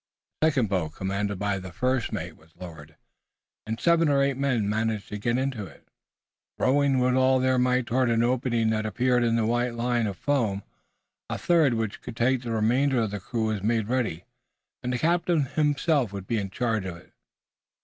A second boat commanded by the first mate was lowered and seven or eight men managed to get into it, rowing with all their might toward an opening that appeared in the white line of foam. A third which could take the remainder of the crew was made ready and the captain himself would be in charge of it.